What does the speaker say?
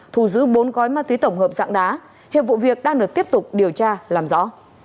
thu giữ bốn gói ma túy tổng hợp dạng đá hiệp vụ việc đang được tiếp tục điều tra làm rõ